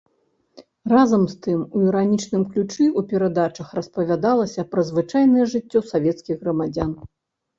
Разам з тым у іранічным ключы ў перадачах распавядалася пра звычайнае жыццё савецкіх грамадзян.